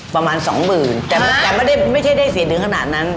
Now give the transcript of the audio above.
ประมาณสองหมื่นแต่ไม่ใช่ได้เสียหนึ่งขนาดนั้น